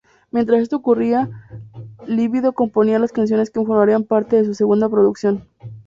Mientras esto ocurría, Libido componía las canciones que formarían parte de su segunda producción.